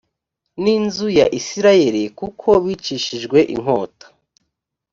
n inzu ya isirayeli kuko bicishijwe inkota